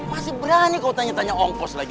masih berani kau tanya tanya ongkos lagi